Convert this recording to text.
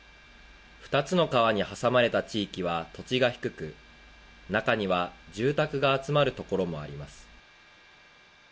２つの川に挟まれた地域は土地が低く、中には住宅が集まるところもあります。